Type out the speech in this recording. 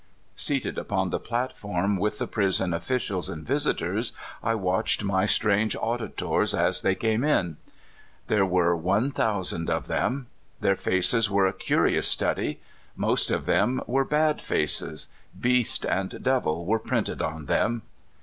Seated upon the platform with the prison offi cials and visitors, I watched my strange auditors as they came in. There were one thousand of them. Their faces were a curious stud3\ Most of them were bad faces. Beast and devil were printed on them.